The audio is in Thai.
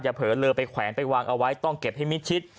เผลอเลอไปแขวนไปวางเอาไว้ต้องเก็บให้มิดชิด